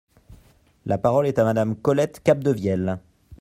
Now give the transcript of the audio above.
La parole est à Madame Colette Capdevielle.